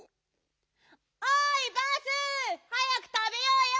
おいバース早くたべようよ！